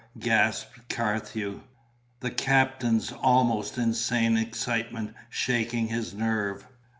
gasped Carthew, the captain's almost insane excitement shaking his nerve.